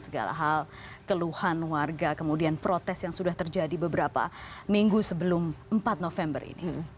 segala hal keluhan warga kemudian protes yang sudah terjadi beberapa minggu sebelum empat november ini